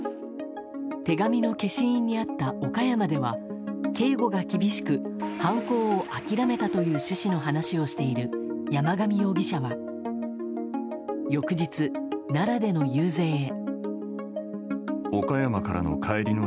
手紙の消印にあった岡山では警護が厳しく犯行を諦めたという趣旨の話をしている山上容疑者は翌日、奈良での遊説へ。